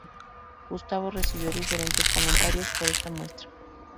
Gustavo recibió diferentes comentarios por esta muestra.